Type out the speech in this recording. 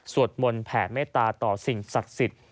มนต์แผ่เมตตาต่อสิ่งศักดิ์สิทธิ์